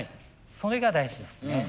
それが大事ですね。